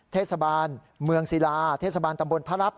เทศบาลเมืองศิลาเทศบาลตำบลพระรับ